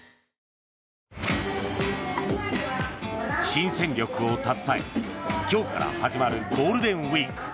新戦力を携え、今日から始まるゴールデンウィーク。